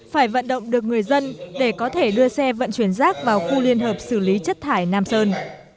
phải vận động được người dân để có thể đưa xe vận chuyển rác vào khu liên hợp xử lý chất thải nam sơn